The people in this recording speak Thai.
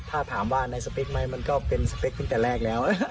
ถ้าถามว่าในสเปคไหมมันก็เป็นสเปคตั้งแต่แรกแล้ว